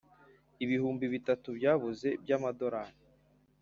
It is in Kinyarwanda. ibihumbi bitatu byabuze bya madorari